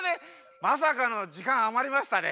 まさかのじかんあまりましたね。